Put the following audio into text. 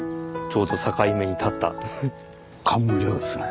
ちょうど境目に立った。